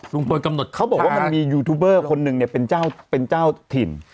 กำหนดเขาบอกว่ามันมียูทูบเบอร์คนหนึ่งเนี่ยเป็นเจ้าถิ่น